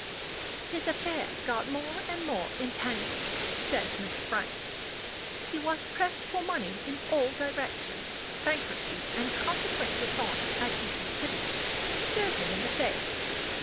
"His affairs got more and more entangled," says Mr. Frank; "he was pressed for money in all directions; bankruptcy, and consequent dishonor (as he considered it) stared him in the face.